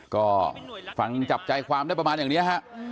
ก็ฟังจับใจความได้ประมาณอย่างนี้ฮะ